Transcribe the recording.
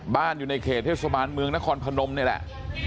อยู่ในเขตเทศบาลเมืองนครพนมนี่แหละ